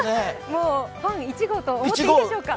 ファン１号と思っていいでしょうか。